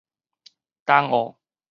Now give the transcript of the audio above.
東澳